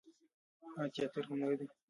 آیا تیاتر هنر دی؟